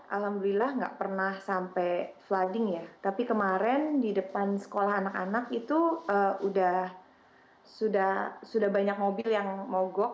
alhamdulillah nggak pernah sampai flading ya tapi kemarin di depan sekolah anak anak itu sudah banyak mobil yang mogok